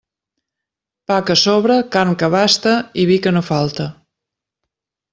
Pa que sobre, carn que abaste i vi que no falte.